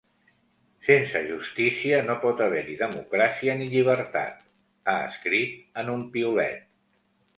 Sense justícia no pot haver-hi democràcia ni llibertat, ha escrit en un piulet.